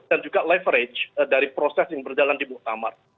dan juga leverage dari proses yang berjalan di muqtamar